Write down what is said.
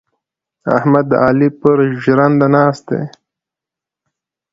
احمد د علي پر ژرنده ناست دی.